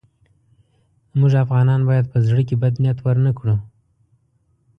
موږ افغانان باید په زړه کې بد نیت ورنه کړو.